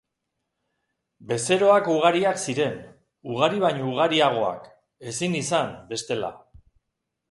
Bezeroak ugariak ziren, ugari baino ugariagoak, ezin izan, bestela.